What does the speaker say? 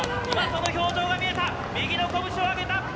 今、その表情が見えた、右の拳を上げた。